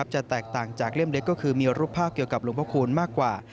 จะแตกต่างจากเล่มเล็กก็คือมีรูปภาพเกี่ยวกับหลวงพระคูณมากกว่า